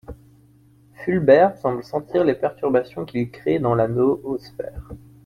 Fulbert semble sentir les perturbations qu’ils créent dans la noosphère.